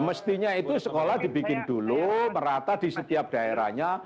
mestinya itu sekolah dibikin dulu merata di setiap daerahnya